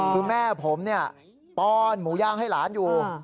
คือแม่ผมป้อนหมูย่างให้หลานอยู่